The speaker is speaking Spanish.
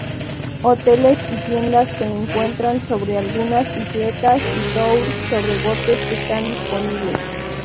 Hoteles y tiendas se encuentran sobre algunas isletas, y tours sobre botes están disponibles.